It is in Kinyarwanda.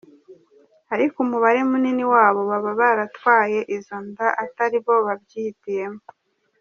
Ariko umubare munini wabo baba baratwaye izo nda atari bo babyihitiyemo.